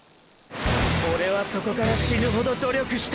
オレはそこから死ぬほど「努力」した！